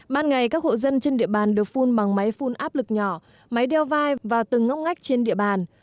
ban ngày các hộ dân trên địa bàn được phun bằng máy phun áp lực nhỏ máy đeo vai và từng ngóc ngách trên địa bàn